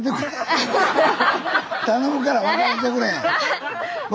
頼むから別れてくれ！